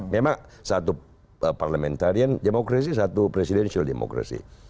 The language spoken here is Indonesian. memang satu parliamentarian demokrasi satu presidensial demokrasi